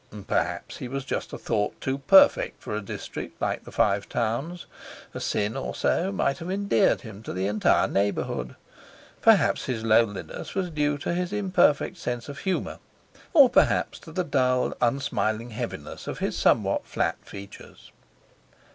Perhaps he was just a thought too perfect for a district like the Five Towns; a sin or so might have endeared him to the entire neighbourhood. Perhaps his loneliness was due to his imperfect sense of humour, or perhaps to the dull, unsmiling heaviness of his somewhat flat features.